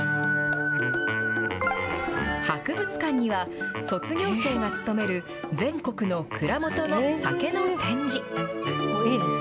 博物館には卒業生が勤める全国の蔵元の酒の展示。